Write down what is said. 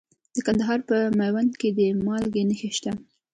د کندهار په میوند کې د مالګې نښې شته.